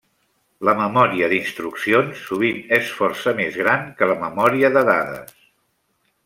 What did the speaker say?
La memòria d'instruccions sovint és força més gran que la memòria de dades.